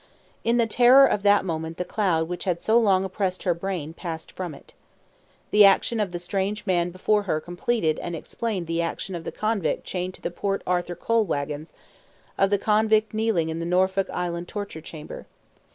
In the terror of that moment the cloud which had so long oppressed her brain passed from it. The action of the strange man before her completed and explained the action of the convict chained to the Port Arthur coal wagons, of the convict kneeling in the Norfolk Island torture chamber.